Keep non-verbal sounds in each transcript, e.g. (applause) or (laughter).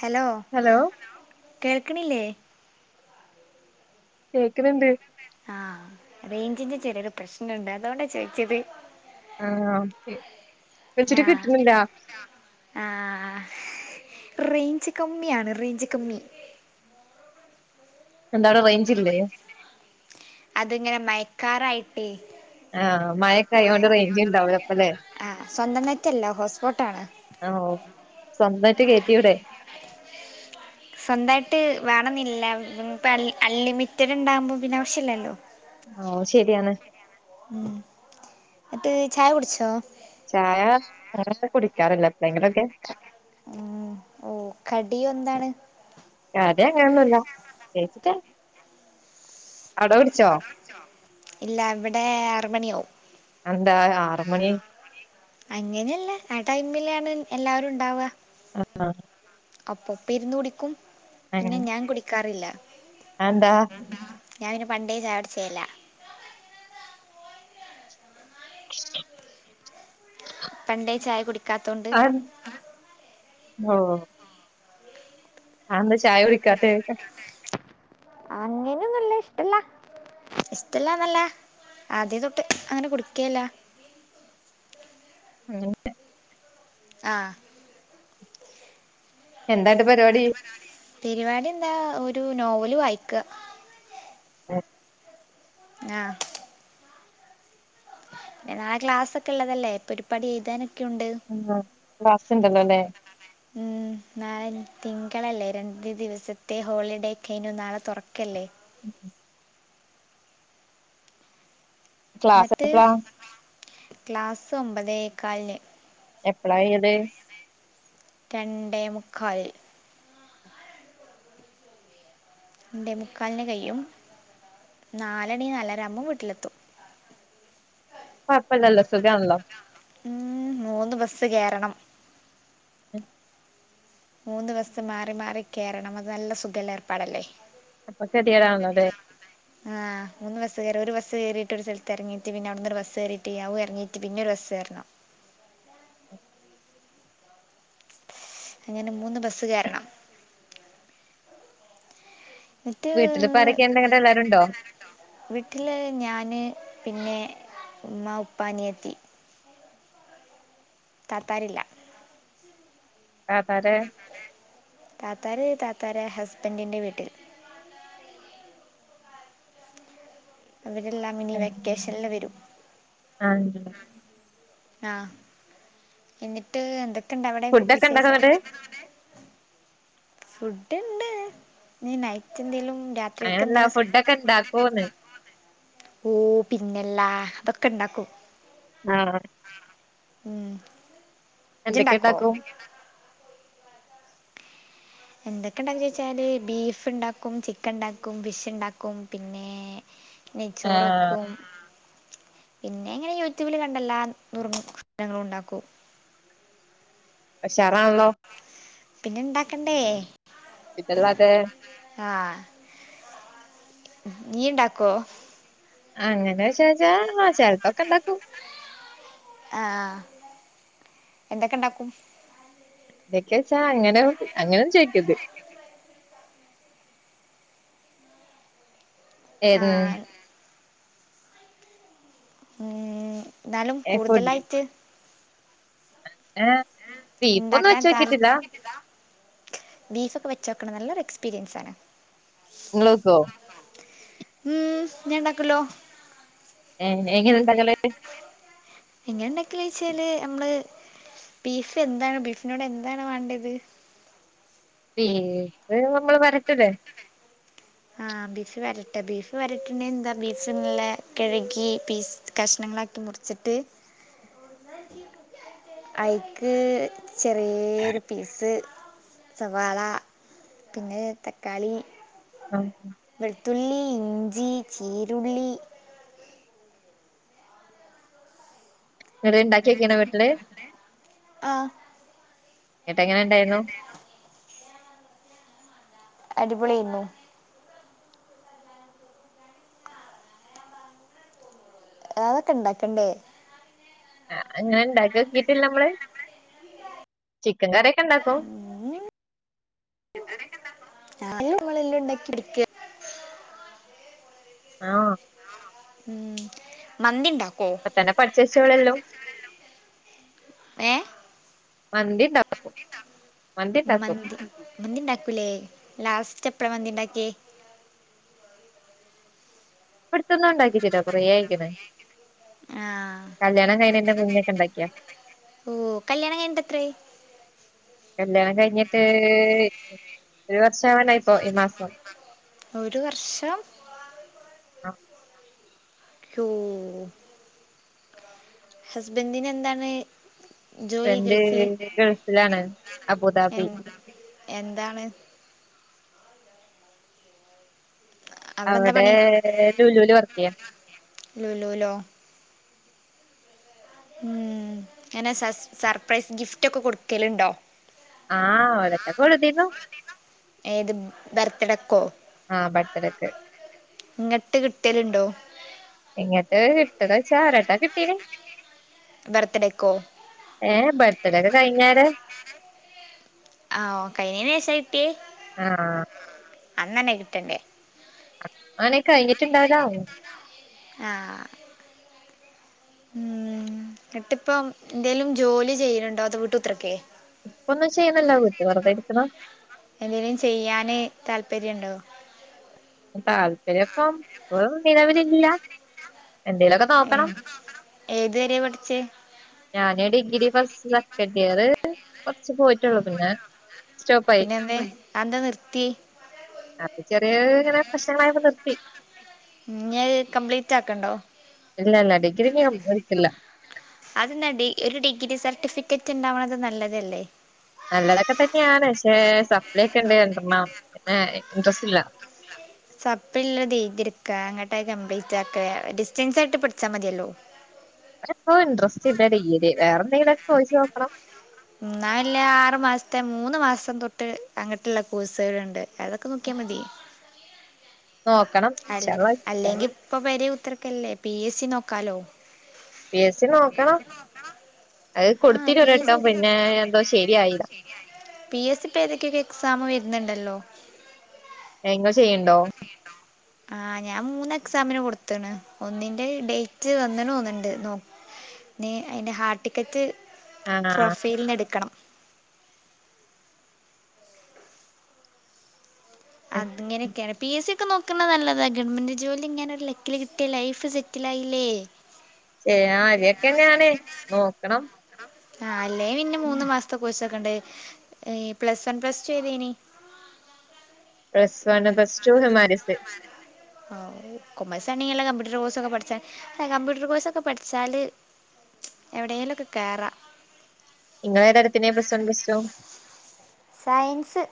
Hello hello കേൾക്കണില്ലേ കേൾക്കുന്നിണ്ട് ആഹ റേഞ്ചിന്റെ ചെറിയൊരു പ്രശ്നമുണ്ട് അതുകൊണ്ടാ ചോദിച്ചത് ആഹ ഒക്കെ ആഹ ആ റേഞ്ച് കമ്മിയാണ് റേഞ്ച് കമ്മി എന്താ ടാ റേഞ്ച് ഇല്ലേ അതിങ്ങനെ മഴക്കാറായിട്ടേ ആഹ് മഴൊക്കെ ആയോണ്ട് റേഞ്ച് ഉണ്ടാവൂല ഇപ്പല്ലേ? ആഹ് സ്വന്തം നെറ്റ്ല്ല ഹോട്ട്സ്പോട്ട് ആണ് ഓ സ്വന്തയിട്ട് കയറ്റിടെ സ്വന്തായിട്ട് വേണമെന്നില്ല ഇപ്പോൾ അൺലിമിറ്റഡ് ഉണ്ടാകുമ്പോ പിന്നെ ആവശ്യമില്ലല്ലോ ഓ ശരിയാണ് ഉം എന്നിട്ട് ചായ കുടിച്ചോ ചായ ഞാൻ കുടിക്കാറില്ല എപ്പോഴെങ്കിലും ഒക്കെ ഉം ഓ കടി എന്താണ് കടി അങ്ങനെന്നുല്ല ചേച്ചിട്ടേ അവിടെ കുടിച്ചോ ഇല്ല ഇവിടെ ആറ് മണിയാവും അത് എന്താ ആറ് മണി അങ്ങനെയല്ല ആ ടൈമിലാണ് എല്ലാവരും ഉണ്ടാവുക ആഹ് അപ്പപ്പോ ഇരുന്ന് കുടിക്കും പിന്നെ ഞാൻ കുടിക്കാറില്ല ആതെഎന്താ ഞാൻ പിന്നെ പണ്ടേ ചായ കുടിച്ചില്ല (inaudible) പണ്ടേ ചായ കുടിക്കി ആഹ് ഓ ആന്താ ചായ കുടിക്കാത്തെ അങ്ങനെയൊന്നും ഇല്ല ഇഷ്ടല്ലന്നല്ല ആദ്യതൊട്ട് അങ്ങനെ കുടിക്കില്ല (inaudible) ആഹ് എന്താ ഇൻ്റെ പരിപാടി പരിപാടി എന്താ ഒരു നോവല് വായിക്കാ (inaudible) ആഹ് പിന്നെ നാളെ ക്ലാസ്ഒക്കെ ഉള്ളതല്ലേ ഇപ്പൊൾ ഒരുപാട് എഴുതനൊക്കെ ഉണ്ട് ക്ലാസ്സ്ണ്ടല്ലോല്ലേ ഉം നാളെ തിങ്കളല്ലേ രണ്ട് ദിവസത്തെ ഹോളിഡേ ഒക്കെ കഴിഞ്ഞ് നാളെ തുറക്കല്ലേ (inaudible) ക്ലാസ് എന്നിട്ട് എപ്പളാ? ക്ലാസ്സ് ഒമ്പതേകാലിന് എപ്പോൾ ചെയ്ത് രണ്ടേമുക്കാൽ രണ്ടേമുക്കാലിന് കഴിയും നാല്ണി നാല് അര ആകുമ്പോൾ വീട്ടിലെത്തും കുഴപ്പമില്ലല്ലോ സുഖാണല്ലോ ഉം മൂന്ന് ബസ്സ് കേറണം (inaudible) മൂന്ന് ബസ്സ് മാറി മാറി കയറണം അത് നല്ല സുഖലേ ഏർപ്പാടല്ലേ അപ്പൊ ശരിടാവുന്ന അതെ ആ മൂന്ന് ബസ് കേറാ ഒര് ബസ് കേറീട്ട് ഒരു സ്ഥലത്ത് ഇറങ്ങീട്ട് പിന്നെ അവിടുന്നൊര് ബസ് കേറീട്ട് അവും എറങ്ങീട്ട് പിന്നൊരു ബസേറണം അങ്ങനെ മൂന്ന് ബസ്സ് കേറണം എന്നിട്ട് വീട്ടില് ഇപ്പാരെക്കെണ്ട് ഇങ്ങട്ട് എല്ലാരുണ്ടോ വീട്ടില് ഞാന് പിന്നെ ഉമ്മ ഉപ്പ അനിയത്തി തത്താരില്ല താത്താരെ താത്താര് താത്താരേ ഹസ്ബന്റിന്റെ വീട്ടിൽ അവരെല്ലാം ഇനി വെക്കേഷൻല് വരും (unintelligible) ആഹ് എന്നിട്ട് എന്തേക്കെണ്ട് അവിടെ ഫുഡൊക്കെ ഇണ്ടാക്കോ വിശേഷം ഇന്നട്ട് ഫുഡ്ണ്ട് ഇനി നൈറ്റ് എന്തേലും രാ അങ്ങനല്ല കേക്ക്ന്നില്ല സൗ ഫുഡൊക്കെ ഇണ്ടാക്കോന്ന് ഓ പിന്നെല്ലാ അതൊക്കെ ഇണ്ടാക്കൂ. ആഹ് ഉം എന്തൊക്കെ ഇജ്ണ്ടാക്കോ ഉണ്ടാക്കും എന്തൊക്കെ ഉണ്ടാക്ക ചോയിച്ചാല് ബീഫ് ഉണ്ടാക്കും ചിക്കൻ ഉണ്ടാക്കും ഫിഷ്ണ്ടാക്കും പിന്നെ ആഹ് നെയ്ച്ചോറക്കും പിന്നെ ഇങ്ങനെ യൂട്യൂബിൽ കണ്ട എല്ലാം നുറുങ്ങ് ശ് നങ്ങളും ഉണ്ടാക്കും ഉഷാറാണല്ലോ പിന്നെ ഇണ്ടാക്കണ്ടേ. (unintelligible) ആ ഇയ്യ് ണ്ടാക്കോ? അങ്ങനെ ചോയിച്ചാ ആ ചെലപ്പോക്കെ ഇണ്ടാക്കും ആഹ് എന്തൊക്കെ ണ്ടാക്കും. എന്തൊക്കെ വെച്ചാ അങ്ങനെ അങ്ങനെന്നും ചോയിക്കരുത് ആ ഏത് ഉം എന്നാലും ഏഹ് ഫുഡ് കൂടുതലായിട്ട് ഏ ബീഫൊന്നും ഉണ്ടാക്കാൻ താൽ വചോക്കിട്ട്ല്ല. ബീഫൊക്കെ വെചോക്കണം നല്ലൊരു എക്സ്പീരിയൻസാണ്. നിങ്ങള് വെക്കോ ഉം ഞാൻ ഉണ്ടാക്കുല്ലോ ഏ് എങ്ങനെ ഉണ്ടകലേ എങ്ങനെ ഉണ്ടാക്കെ ചോയിച്ചാല് നമ്മള് ബീഫ് എന്താണ് ബീഫിനോട് എന്താണ് വേണ്ടത് ബീഫ് നമ്മള് വരട്ടല്ലേ ആ ബീഫ് വരട്ടെ ബീഫ് വരട്ടേണ്ട എന്താ ബീഫ നുള്ള കഴുകി പീസ് കഷ്ണങ്ങളാക്കി മുറി ചിട്ട് ആയിക്ക് ചെറിയൊരു പീസ് സവാള പിന്നെ തക്കാളി. ആ വെളുത്തുള്ളി ഇഞ്ചി ചീരുള്ളി എന്തേലും ഇണ്ടാക്കിയിക്കണോ വീട്ടില് ആഹ് എന്നിട്ട എങ്ങനെ ഉണ്ടായിരുന്നു അടിപൊളിയര്ന്നു അതൊക്കെ ഉണ്ടാക്കണ്ടേ ആ അങ്ങനെ ഇണ്ടാക്കി നോക്കീട്ടില്ല നമ്മള് ചിക്കൻ കറിക്കെ ഇണ്ടാക്കും ഞ നമ്മളെല്ലാം ഉണ്ടാക്കി വയ്ക്ക ആഹ് ഉം മന്തിണ്ടാക്കോ ഇപ്പ തന്നെ പഠിച്ചേചോളളല്ലോ ഏ മന്തി ഇണ്ടാക്കും മന്തി ഉണ്ടാക്കൂല്ലേ ലാസ്റ്റ് എപ്പഴ മന്തി ഇണ്ടാക്കിയെ ഇപ്പാടുത്തൊന്നും ഉണ്ടാക്കിട്ടില്ല കുറേ ആയിരിക്കുണു ആഹ് കല്യാണം കഴിഞ്ഞിട്ടു (unintelligible) ണ്ടാക്കിയാ ഓ കല്യാണം കഴിഞ്ഞിട്ട് എത്രയായി കല്യാണം കഴിഞ്ഞിട്ട് ഒരു വർഷാവാറായി ഈ മാസം ഒരു വർഷം ആഹ് (unintelligible) ഹസ്ബെന്റിനു എന്താണ് ജോലി ഹസ്ബൻഡ് ഗൾഫില് ഗൾഫിലാണ് അബുദാബി എന്താണ് എന്താ അവിടെ പണി ലുലൂല് വർക്ക് ചെയ്യാണ് ലൂലൂ ലോ മ് അങ്ങനെ സസ് സർപ്രൈസ് ഗിഫ്റ്റ് ഒക്കെ കൊടുക്കലുണ്ടോ ആഹ് ഒരെണ്ണം കൊടുത്തിരുന്നു ഏത് ബർത്തെടെക്കോ ആഹ് ബർത്ഡേയ്ക് ഇങ്ങട്ട് കിട്ടിയലുണ്ടോ ഇങ്ങട്ട് കിട്ടിയൊന്ന് ചോയിച്ച രണ്ടെണ്ണം കിട്ടിയിന് ബർത്ത്ഡേക്കോ ഏഹ് ബർത്ത്ഡേ ഒക്കെ കഴിഞ്ഞാര് ആഹ് ഒ കഴിഞ്ഞെന് ശേഷ കിട്ടിയേ ആഹ് അന്നന്നെ കിട്ടണ്ടേ ആണെ കഴിഞ്ഞിട്ടുണ്ടതാവു ആഹ് എന്നിട്ട് ഇപ്പം എന്തേലും ജോലി ചെയ്യലുണ്ടോത് വീട്ടുത്രോക്കെ ഇപ്പൊന്നും ചെയ്യുന്നില്ല വീട്ട് വെറുതെ ഇരിക്കുന്നു എന്തേലും ചെയ്യാന് താല്പര്യണ്ടോ താല്പര്യം ഇപ്പം നിലവിലില്ല എന്തേലൊക്കെ നോക്കണം ഏതു വരെയാ പഠിച്ചേ ഞാന് ഡിഗ്രി ഫസ്റ്റ് സെക്കൻഡ് ഇയർ കുറച്ച് പോയിട്ടുള്ളു പിന്നെ സ്റ്റോപ്പായി പിന്നെ എന്താ അത് എന്താ നിർത്തിയെ അത് ചെറിയ ഇങ്ങനെ പ്രശ്നങ്ങളായിപ്പാ നിർത്തി ഇനി അത് കംപ്ലീറ്റ് ആക്കണ്ടോ ഇല്ലില്ല ഡിഗ്രി ഞാൻ പോയിട്ടില്ല അത് എന്താ ഒരു ഡിഗ്രി സർട്ടിഫിക്കറ്റ് ഉണ്ടാവണത് നല്ലതല്ലേ നല്ലതൊക്കെ തന്നെയാണ് പക്ഷെ സപ്ലൈ ഒക്കെ ഉണ്ട് രണ്ടെണ്ണം പിന്നെ ഇൻട്രസ്റ്റ് ഇല്ല സപ്ലിള്ളത് എഴുതിയെടുക്ക അങ്ങട്ട് കംപ്ലീറ്റാക്ക്‌ ഡിസ്റ്റൻസ് ആയിട്ട് പഠിച്ചാൽ മതിയല്ലോ ക്ഷെപ്പോ ഇൻട്രസ്റ്റ് ഇല്ലന്റെ രീതിൽ വേറെന്തെങ്കിലോക്കെ കോഴ്സ് നോക്കണം. ന്നാ വെല്ലോ ആറു മാസത്തെ മൂന്ന് മാസം തൊട്ട് അങ്ങോട്ടുള്ള കോഴസുകൾ ഉണ്ട് അതൊക്കെ നോക്കിയാൽ മതി നോക്കണം അല ഇൻഷാ അള്ളാ അല്ലെങ്കി ഇപ്പൊ പെരികുത്തർക്കല്ലേ പി എസ് സി നോക്കാലോ? പി എസ് സി നോക്കണം അത് ആഹ് കൊടുത്തിനു പി എസ് ഒരുവട്ടം പിന്നെ എന്തോ ശരിയായില്ല പി എസ് സി ഇപ്പ ഏതൊക്കെയൊക്കെ എക്സാം വരുന്നുണ്ടല്ലോ നിങ്ങൾ ചെയ്യണ്ടോ ആഹ് ഞാൻ മൂന്ന് എക്സാമിന് കൊടുത്തണ് ഒന്നിന്റെ ഡേറ്റ് വന്നണ് തോന്നിണ്ട് നോ ന് അയിന് ഹാൾടിക്കറ്റ് ആഹ് പ്രൊഫൈലിന് എടുക്കണം അത് ഇങ്ങനെയൊക്കെ പി എസ് സി ഒക്കെ നോക്ന്ന് നല്ലത ഗവൺമെൻറ് ജോലിങ്ങനെ ഒരു ലക്കിൽ കിട്ടിയ ലൈഫ് സെറ്റിലായില്ലേ? എ ആ തേക്കെന്നെയാണ് നോക്കണം ആ അല്ലേ പിന്നെ മൂന്ന് മാസത്തെ കോഴ്സൊക്കെണ്ട് പ്ലസ് വൺ പ്ലസ് ടു ഏതേനി plus one, plus two, humanities ഓ കൊമേഴ്സ് ആണെങ്കി വല്ലകമ്പ്യൂട്ടർ കോഴ്സ ഒക്കെ പഠിച്ചാൻ കമ്പ്യൂട്ടർ കോഴ്സ് ഒക്കെ പഠിച്ചാല് എവിടെലൊക്കെ കേറാ നിങ്ങളേതടുത്തിനേ plus one plus two science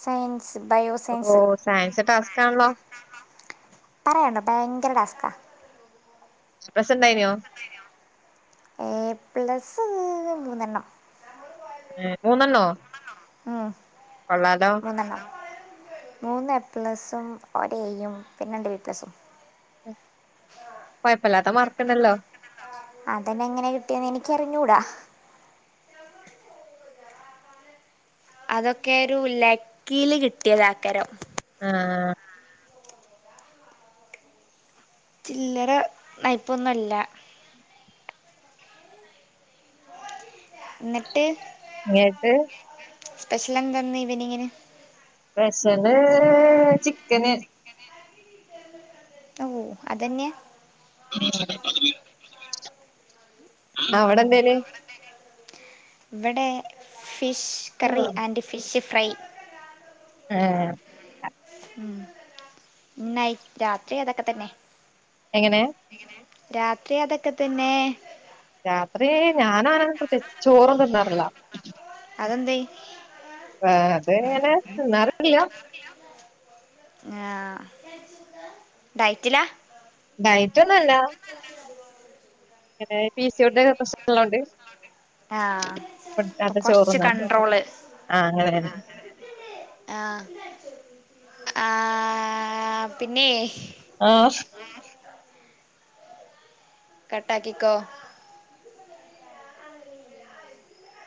science BIOS ഓ സയൻസ് ടാസ്ക് ആണല്ലോ? പറയണ്ട ഭയങ്കര ടാസ്കാ ബസ് ണ്ടായിനോ എ പ്ലസ് മൂന്ന് മൂന്നെണ്ണം ഏ മൂന്നെണ്ണോ? ഉം കൊള്ളാലോ മൂന്നെണ്ണം മൂന്ന് എ പ്ലസും, ഒരേയും, പിന്നെ ബി പ്ലസും. കൊയപ്പല്ലാത്ത മാർക്ക്ണ്ടല്ലോ അതന്നെ എങ്ങനെ കിട്ടിയേന്ന് എനിക്കറിഞ്ഞൂടാ അതൊക്കെ ഒരു ലക്കീല് കിട്ടിയതേക്കാരം ആഹആഹാ ചില്ലറ നയ്പ്പൊന്നൊല്ല ന്നട്ട് ങ്ങേ ട്ട് സ്പെഷ്യല്ന്ത ന്ന് ഇവനിങ്ങിന് സ്പെഷ്യല് ചിക്കന് (unintelligible) ഓ അതന്നെയ (unintelligible) ആ അവടെന്തേനി ഇവടെ fish curry and fish fry ഹേ ഉും നൈറ്റ- രാത്രി അതൊക്കെ തന്നെ എങ്ങനെ രാത്രി അതക്കെ തന്നെ രാത്രി ഞാനങ്ങനെ പ്രത്യച് ചോറൊന്നും തിന്നാറില്ല അതെന്തേ ആ അതങ്ങനേ തിന്നാതകില്ല ആ ഡയറ്റില ഡൈറ്റോന്നല്ല പി സി ഓ ടിന്റെ പ്രശ്നം ഉള്ളോണ്ട് ആ അപ്പ കൊർച്ച് ചോറുന്നാണ് കണ്ട്രോള് ആ അങ്ങനെ തന്നെ ആഹ ആ പിന്നെ ആഹ് കട്ടാക്കിക്കോ